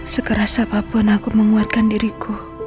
sekeras apapun aku menguatkan diriku